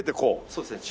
そうですね。